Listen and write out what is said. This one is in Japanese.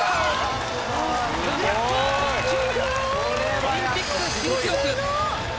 オリンピック新記録。